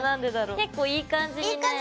結構いい感じにね。